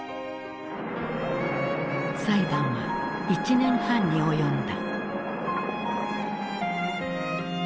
裁判は１年半に及んだ。